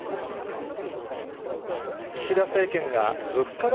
岸田政権が物価高